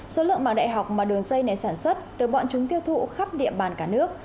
số lượng màng đại học mà đường dây này sản xuất được bọn chúng tiêu thụ khắp địa bàn cả nước